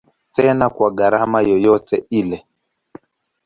Tena kwa gharama yoyote ile.